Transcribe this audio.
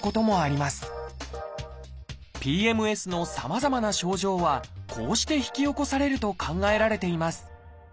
ＰＭＳのさまざまな症状はこうして引き起こされると考えられています。